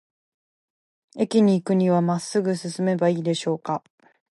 駅に行くには、まっすぐ進めばいいでしょうか。